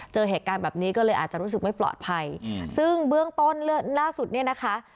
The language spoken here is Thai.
เจอเหตุการณ์แบบนี้ก็เลยอาจจะรู้สึกไม่ปลอดภัยซึ่งเบื้องต้นล่าสุดเนี่ยนะคะ